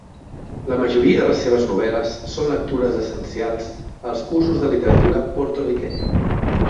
La majoria de les seves novel·les són lectures essencials als cursos de literatura porto-riquenya.